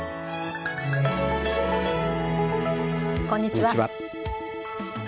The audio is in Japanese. こんにちは。